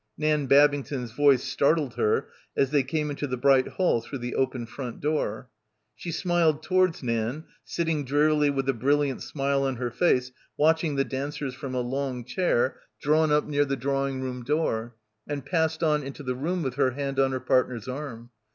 Nan Babington's voice startled her as they came into the bright hall through the open front door. She smiled towards Nan, sitting drearily with a brilliant smile on her face watching the dancers from a long chair drawn up near the drawing room door, and passed on into the room with her hand on her partner's arm.